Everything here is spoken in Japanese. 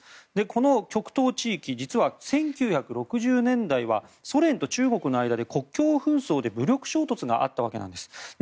この極東地域実は１９６０年代はソ連と中国の間で国境紛争で武力衝突があったわけなんです。